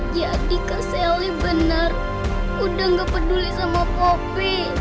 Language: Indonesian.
jadi kak selly benar udah gak peduli sama poppy